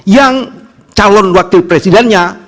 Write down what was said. yang calon wakil presidennya